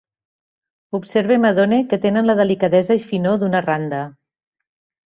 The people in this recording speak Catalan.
Observe i m'adone que tenen la delicadesa i finor d'una randa.